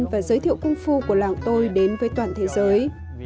tôi muốn giới thiệu công phu của làng tôi đến với toàn thế giới